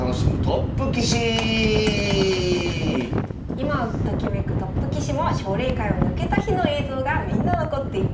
今をときめくトップ棋士も奨励会を抜けた日の映像がみんな残っています。